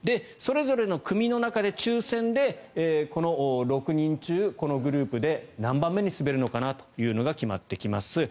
それぞれの組の中で抽選で６人中このグループで何番目に滑るのかなというのが決まってきます。